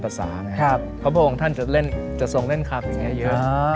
ครับครับข้าโบ่งท่านจะเล่นจะทรงเล่นคับอย่างเยอะอ๋อ